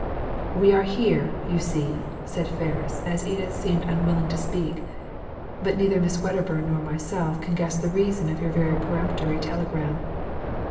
"We are here, you see," said Ferris, as Edith seemed unwilling to speak, ''but neither Miss Wedderbum nor myself can guess the reason of your very peremptory telegram.'